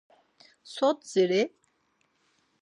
So dziri?